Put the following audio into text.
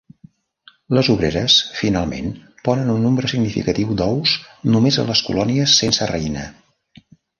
Les obreres, finalment, ponen un nombre significatiu d"ous només a les colònies sense reina.